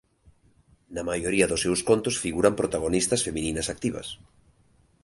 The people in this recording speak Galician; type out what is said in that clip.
Na maioría dos seus contos figuran protagonistas femininas activas.